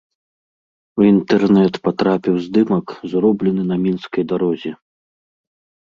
У інтэрнэт патрапіў здымак, зроблены на мінскай дарозе.